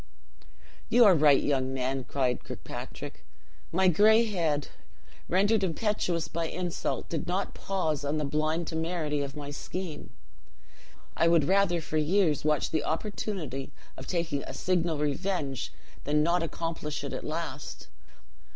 "You are right, young man," cried Kirkpatrick; "my gray head, rendered impetuous by insult, did not pause on the blind temerity of my scheme. I would rather for years watch the opportunity of taking a signal revenge than not accomplish it at last.